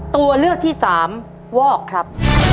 ตัวเลือกที่สามวอกครับ